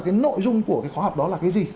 cái nội dung của cái khóa học đó là cái gì